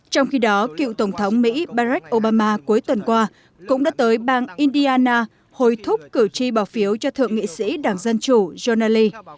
trong khi đó cựu tổng thống mỹ barack obama cuối tuần qua cũng đã tới bang indiana hồi thúc cử tri bỏ phiếu cho thượng nghị sĩ đảng dân chủ jonali